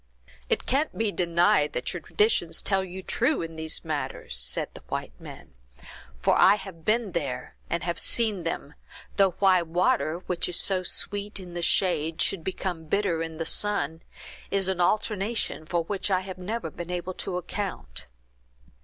"It can't be denied that your traditions tell you true in both these matters," said the white man; "for I have been there, and have seen them, though why water, which is so sweet in the shade, should become bitter in the sun, is an alteration for which I have never been able to account."